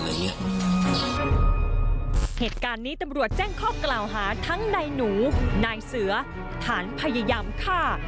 เหตุการณ์นี้ตำรวจแจ้งข้อกล่าวหาทั้งนายหนูนายเสือฐานพยายามฆ่า